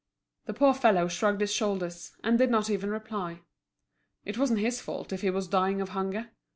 The poor fellow shrugged his shoulders, and did not even reply. It wasn't his fault if he was dying of hunger.